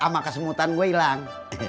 pake kesebutan gue ilang